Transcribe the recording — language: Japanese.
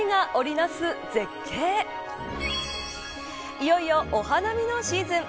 いよいよお花見のシーズン。